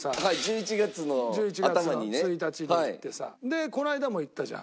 １１月の１日に行ってさでこの間も行ったじゃん。